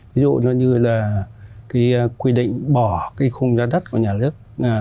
ví dụ như là quy định bỏ khung ra đất của nhà nước